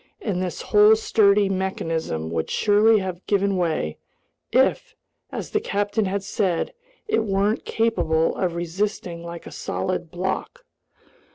And this whole sturdy mechanism would surely have given way, if, as its captain had said, it weren't capable of resisting like a solid block.